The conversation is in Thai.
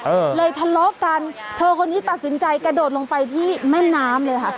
เออเลยทะเลาะกันเธอคนนี้ตัดสินใจกระโดดลงไปที่แม่น้ำเลยค่ะ